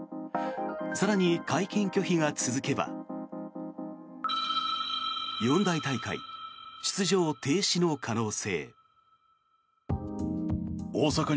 更に、会見拒否が続けば四大大会出場停止の可能性。